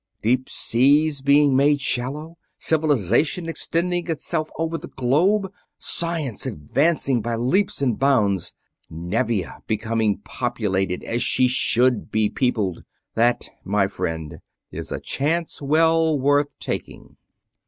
Deep seas being made shallow, civilization extending itself over the globe, science advancing by leaps and bounds, Nevia becoming populated as she should be peopled that, my friend, is a chance well worth taking!"